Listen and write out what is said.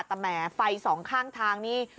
แต่แหมไฟสองข้างทางนี่